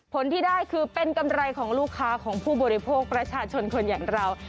ผลที่ได้คือเป็นกำไรของลูกค้าของผู้บริโภคประชาชนคนอย่างเรา